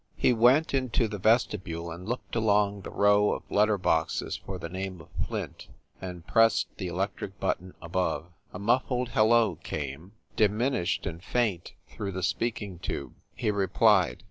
He went into the vestibule and looked along the row of letter boxes for the name of "Flint," and pressed the electric button above. A muffled "hello" came, di minished and faint, through the speaking tube. He replied.